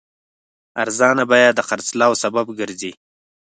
ارزانه بیه د خرڅلاو سبب ګرځي.